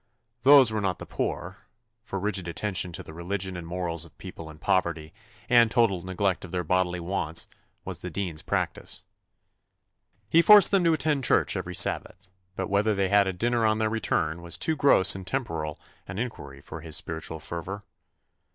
Those were not the poor for rigid attention to the religion and morals of people in poverty, and total neglect of their bodily wants, was the dean's practice. He forced them to attend church every Sabbath; but whether they had a dinner on their return was too gross and temporal an inquiry for his spiritual fervour.